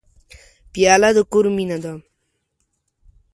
پیاله د کور مینه ده.